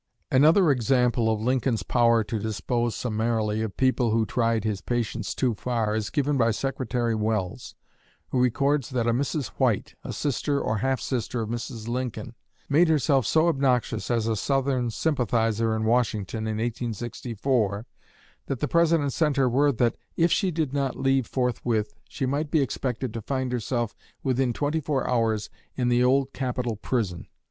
Another example of Lincoln's power to dispose summarily of people who tried his patience too far is given by Secretary Welles, who records that a Mrs. White a sister or half sister of Mrs. Lincoln made herself so obnoxious as a Southern sympathizer in Washington in 1864, that the President sent her word that "if she did not leave forthwith she might expect to find herself within twenty four hours in the Old Capitol Prison."